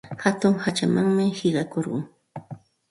Hatun hachamanmi qiqakurqun.